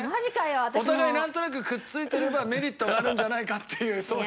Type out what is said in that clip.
お互いなんとなくくっついてればメリットがあるんじゃないかっていうそういう関係性。